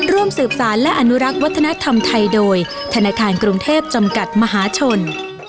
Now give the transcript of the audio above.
ร่วมสืบสารและอนุรักษ์วัฒนธรรมไทยโดยธนาคารกรุงเทพจำกัดมหาชน